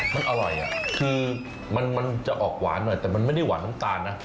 มันอร่อยคือมันจะออกหวานหน่อยแต่มันไม่ได้หวานน้ำตาลนะ